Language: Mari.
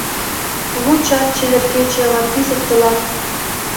Лу чап, чевер кече, латвизыт тылат, —